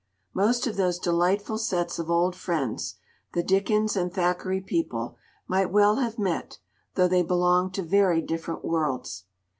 Most of those delightful sets of old friends, the Dickens and Thackeray people, might well have met, though they belonged to very different worlds.